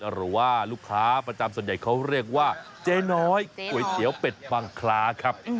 หรือว่าลูกค้าประจำส่วนใหญ่เขาเรียกว่าเจ๊น้อยก๋วยเตี๋ยวเป็ดบังคล้าครับ